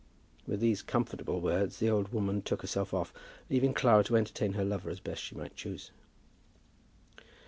With these comfortable words, the old woman took herself off, leaving Clara to entertain her lover as best she might choose.